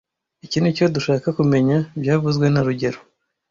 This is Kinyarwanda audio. Iki nicyo dushaka kumenya byavuzwe na rugero